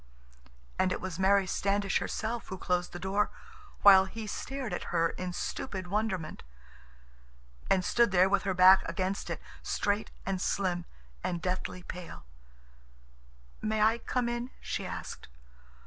And it was Mary Standish herself who closed the door, while he stared at her in stupid wonderment—and stood there with her back against it, straight and slim and deathly pale. "May I come in?" she asked.